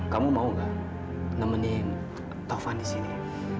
kamu mau gak nemenin taufan di sini